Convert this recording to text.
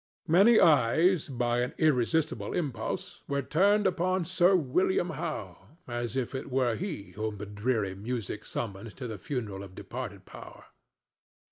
Many eyes, by an irresistible impulse, were turned upon Sir William Howe, as if it were he whom the dreary music summoned to the funeral of departed power.